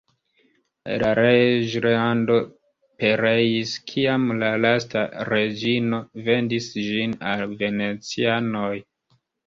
La reĝlando pereis, kiam la lasta reĝino vendis ĝin al venecianoj.